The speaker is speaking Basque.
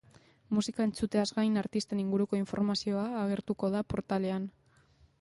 Musika entzuteaz gain, artisten inguruko informazioa agertuko da portalean.